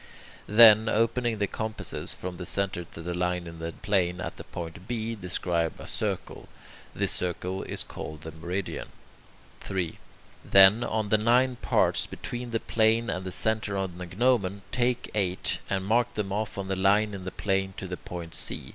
Then, opening the compasses from that centre to the line in the plane at the point B, describe a circle. This circle is called the meridian. 3. Then, of the nine parts between the plane and the centre on the gnomon, take eight, and mark them off on the line in the plane to the point C.